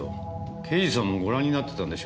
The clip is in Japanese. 刑事さんもご覧になってたんでしょう？